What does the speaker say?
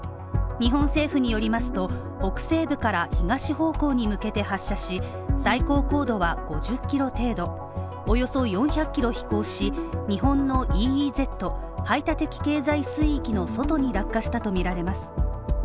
日本政府によりますと、北西部から東方向に向けて発射し、最高高度は５０キロ程度、およそ４００キロ飛行し、日本のＥＥＺ＝排他的経済水域の外に落下したとみられます。